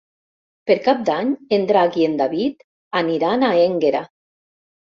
Per Cap d'Any en Drac i en David aniran a Énguera.